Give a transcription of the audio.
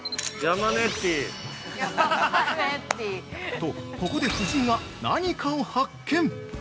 ◆と、ここで夫人が何かを発見。